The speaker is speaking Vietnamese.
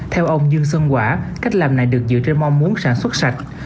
theo ông dương xuân quả cách làm này được dựa trên mong muốn sản xuất sạch